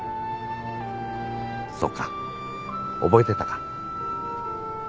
そうか覚えてたか。